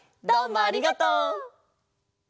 どうもありがとう！